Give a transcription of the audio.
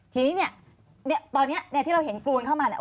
ทีนี้เนี่ยตอนนี้เนี่ยที่เราเห็นกรูนเข้ามาเนี่ย